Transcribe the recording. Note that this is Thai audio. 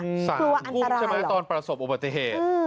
คือว่าอันตรายหรือเปล่าสารใช่ไหมตอนประสบโอบัติเหตุ